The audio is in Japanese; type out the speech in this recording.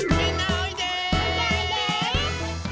おいでおいで！